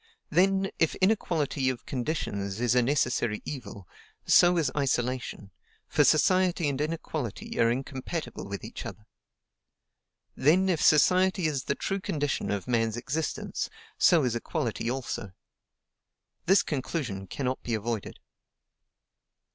Then, if inequality of conditions is a necessary evil, so is isolation, for society and inequality are incompatible with each other. Then, if society is the true condition of man's existence, so is equality also. This conclusion cannot be avoided.